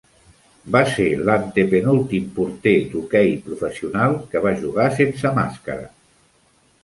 Va ser l'antepenúltim porter d'hoquei professional que va jugar sense màscara.